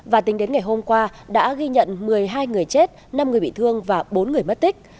và tính đến ngày hôm qua đã ghi nhận một mươi hai người chết năm người bị thương và bốn người mất tích